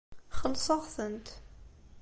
Xellṣeɣ-tent.